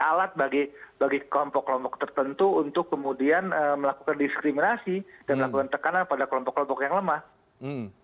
alat bagi kelompok kelompok tertentu untuk kemudian melakukan diskriminasi dan melakukan tekanan pada kelompok kelompok yang lemah